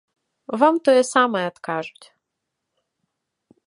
Вам тое самае адкажуць.